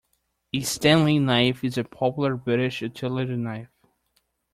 A Stanley knife is a popular British utility knife